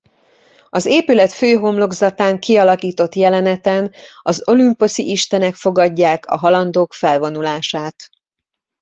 Az épület főhomlokzatán kialakított jeleneten az olümposzi istenek fogadják a halandók felvonulását.